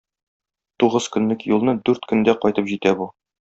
Тугыз көнлек юлны дүрт көндә кайтып җитә бу.